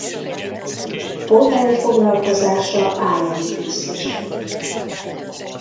Polgári foglalkozása állami tisztviselő.